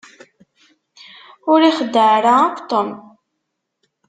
Ur ixeddeɛ ara akk Tom.